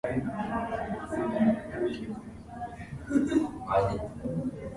Chaykin was known for portrayals of blustery supporting characters.